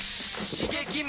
刺激！